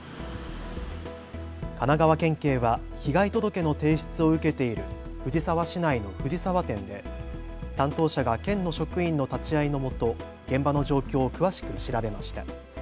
神奈川県警は被害届の提出を受けている藤沢市内の藤沢店で担当者が県の職員の立ち会いのもと現場の状況を詳しく調べました。